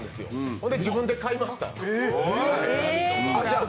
それで自分で買いました。